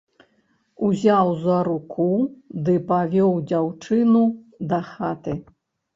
Узяў за руку ды павёў дзяўчыну дахаты!